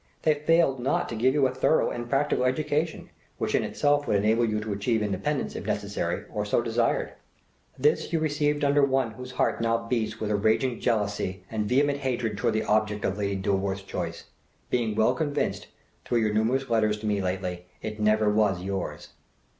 They failed not to give you a thorough and practical education, which in itself would enable you to achieve independence, if necessary, or so desired. "This you received under one whose heart now beats with raging jealousy and vehement hatred towards the object of Lady Dilworth's choice, being well convinced, through your numerous letters to me lately, it never was yours.